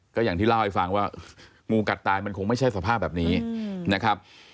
ก็อย่างที่เล่าให้ฟังว่างูกัดตายมันคงไม่ใช่สภาพแบบนี้นะครับ